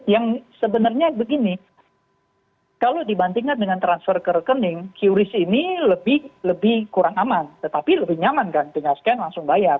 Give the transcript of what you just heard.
yang sebenarnya begini kalau dibandingkan dengan transfer ke rekening qris ini lebih kurang aman tetapi lebih nyaman kan tinggal scan langsung bayar